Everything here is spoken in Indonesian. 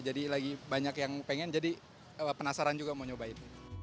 jadi lagi banyak yang pengen jadi penasaran juga mau nyobain